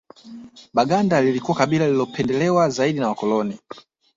Baganda lilikuwa kabila lililopendelewa zaidi na Wakoloni